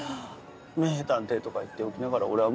名探偵とか言っておきながら俺は無力だ。